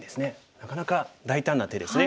なかなか大胆な手ですね。